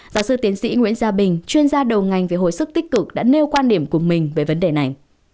giáo sư tiến sĩ nguyễn gia bình chuyên gia đầu ngành về hồi sức tích cực đã nêu quan điểm của mình về vấn đề này